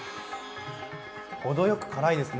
程よく辛いですね。